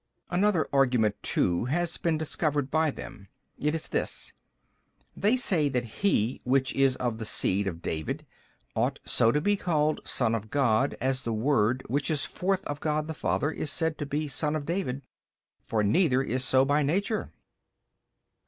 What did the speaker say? B. Another argument too has been discovered by them, it is this: they say that he which is of the seed, of David, ought so to be called son of God as the Word Which is forth of God the Father is said to be son of David: for neither is so by nature 33.